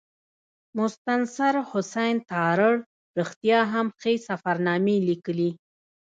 مستنصر حسین تارړ رښتیا هم ښې سفرنامې لیکلي.